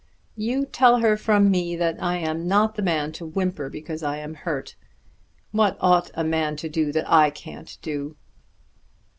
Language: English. You tell her from me that I am not the man to whimper because I am hurt. What ought a man to do that I can't do?"